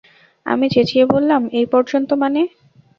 আমি চেঁচিয়ে বললাম, এই পর্যন্ত মানে?